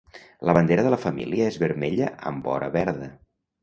La bandera de la família és vermella amb vora verda.